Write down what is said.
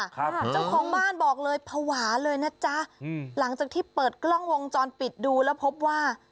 เจ้าของบ้านบอกเลยภาวะเลยนะจ๊ะอืมหลังจากที่เปิดกล้องวงจรปิดดูแล้วพบว่า